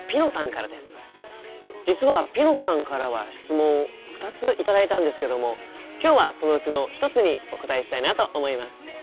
実はぴのさんからは質問を２つ頂いたんですけども今日はそのうちの一つにお答えしたいなと思います。